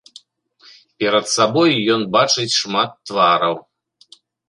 Перад сабою ён бачыць шмат твараў.